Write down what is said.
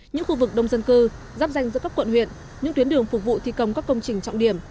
những khu vực đông dân cư giáp danh giữa các quận huyện những tuyến đường phục vụ thi công các công trình trọng điểm